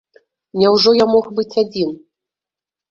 Няўжо я мог быць адзін?